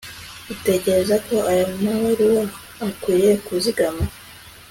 utekereza ko aya mabaruwa akwiriye kuzigama